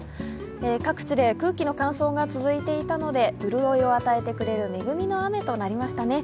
各地で空気の乾燥が続いていたので潤いを与えてくれる恵みの雨となりましたね。